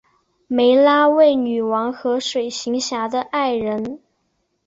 湄拉为女王和水行侠的爱人。